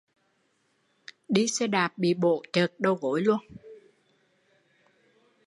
Đi xe đạp bị bổ chợt đầu gối